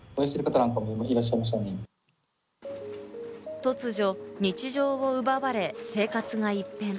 突如、日常を奪われ、生活が一変。